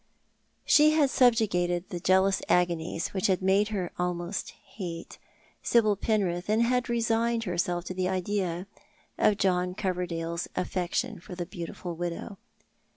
She had subjugated the jealous agonies which had made her almost hate Sibyl Penrith, and had resigned herself to the idea of John Coverdale's aflfection for the beautiful widow.